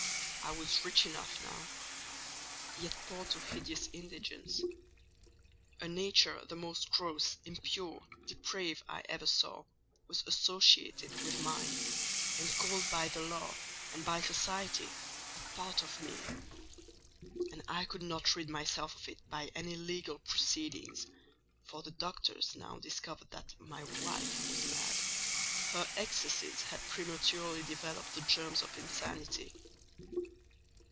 I was rich enough now—yet poor to hideous indigence: a nature the most gross, impure, depraved I ever saw, was associated with mine, and called by the law and by society a part of me. And I could not rid myself of it by any legal proceedings: for the doctors now discovered that my wife was mad—her excesses had prematurely developed the germs of insanity.